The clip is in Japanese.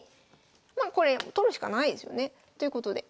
まあこれ取るしかないですよね。ということで。